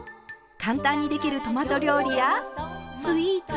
簡単にできるトマト料理やスイーツ。